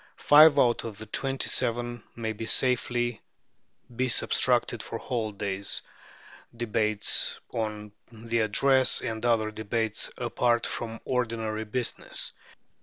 Five out of the twenty seven may safely be subtracted for holidays, debates on the Address, and other debates apart from ordinary business.